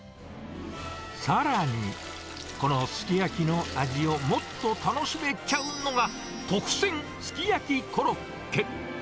さらに、このすき焼きの味をもっと楽しめちゃうのが、特撰すき焼コロッケ。